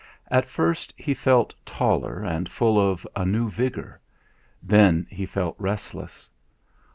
At first he felt taller and full of a new vigour; then he felt restless.